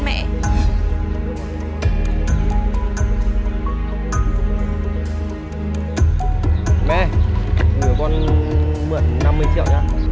mẹ đừng để con mượn năm mươi triệu nhá